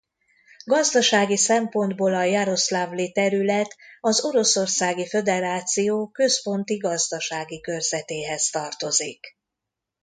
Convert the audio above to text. Gazdasági szempontból a Jaroszlavli terület az Oroszországi Föderáció Központi Gazdasági Körzetéhez tartozik.